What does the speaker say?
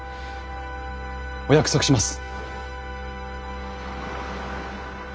お約束します。